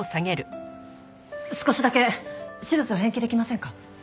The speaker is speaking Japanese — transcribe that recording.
少しだけ手術を延期できませんか？